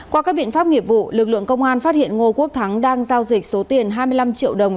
qua các biện pháp nghiệp vụ lực lượng công an phát hiện ngô quốc thắng đang giao dịch số tiền hai mươi năm triệu đồng